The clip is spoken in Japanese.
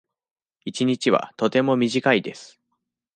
一日はとても短いです。